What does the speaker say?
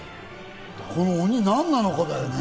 この鬼、なんなのかだよね。